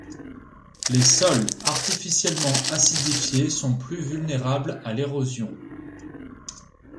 Les sols artificiellement acidifiés sont plus vulnérables à l'érosion.